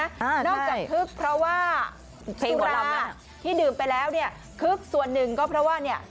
นอกจากคึกเพราะว่าเพลงหมอลำอ่ะที่ดื่มไปแล้วเนี่ยคึกส่วนหนึ่งก็เพราะว่าเนี่ย